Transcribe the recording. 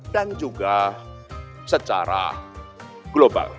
dan juga secara global